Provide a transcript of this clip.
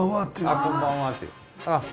ああ。